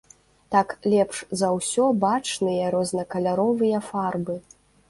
Так лепш за ўсё бачныя рознакаляровыя фарбы.